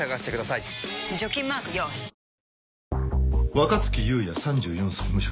若月雄也３４歳無職。